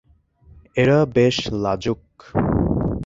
এরা বেশ লাজুক।